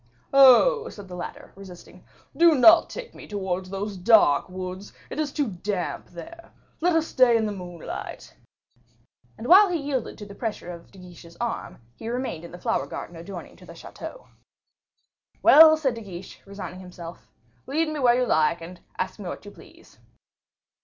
"Oh!" said the latter, resisting, "do not take me towards those dark woods, it is too damp there. Let us stay in the moonlight." And while he yielded to the pressure of De Guiche's arm, he remained in the flower garden adjoining the chateau. "Well," said De Guiche, resigning himself, "lead me where you like, and ask me what you please."